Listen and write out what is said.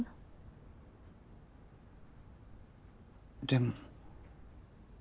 でも。